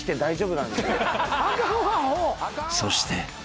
［そして］